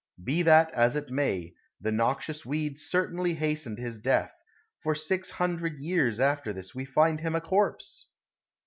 Be that as it may, the noxious weed certainly hastened his death, for six hundred years after this we find him a corpse!